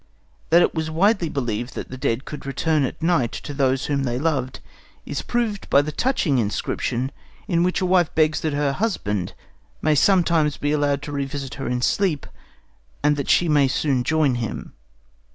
That it was widely believed that the dead could return at night to those whom they loved is proved by the touching inscription in which a wife begs that her husband may sometimes be allowed to revisit her in sleep, and that she may soon join him.